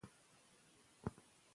سالم خواړه د بدن ځواک زیاتوي.